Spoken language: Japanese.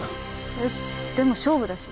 えっでも勝負だし